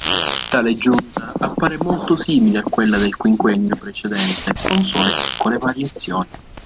Tale giunta appare molto simile a quella del quinquennio precedente, con sole piccole variazioni.